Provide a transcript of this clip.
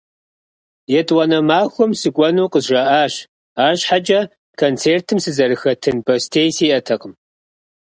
ЕтӀуанэ махуэм сыкӀуэну къызжаӀащ, арщхьэкӀэ концертым сызэрыхэтын бостей сиӀэтэкъым.